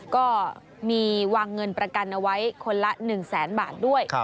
ก็มีวางเงินประกันเอาไว้คนละ๑แสนบาทด้วย